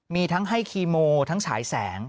มีทั้งให้คีโมทั้งฉายแสง